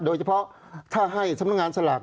โดยเฉพาะถ้าให้สำนักงานสลาก